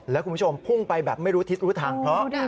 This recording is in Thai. แล้วคุณผู้ชมพุ่งไปแบบไม่รู้ทิศรู้ทางเพราะ